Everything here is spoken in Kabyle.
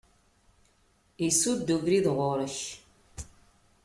Isudd ubrid ɣur-k.